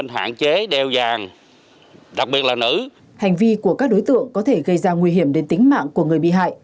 hành vi của các đối tượng có thể gây ra nguy hiểm đến tính mạng của người bị hại